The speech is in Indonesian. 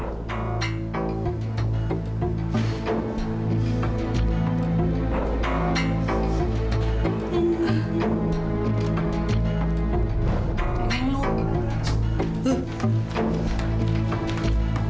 bapak keluar dulu